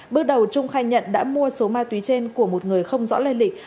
bước đầu trung khai nhận đã mua số ma túy trên của một người không rõ lây lịch